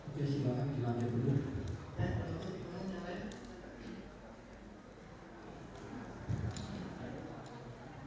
tentu melalui instagram saudara dan lain lain